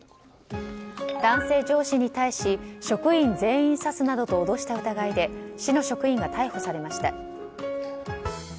男性上司に対し職員全員刺すなどと脅した疑いで市の職員が逮捕されました。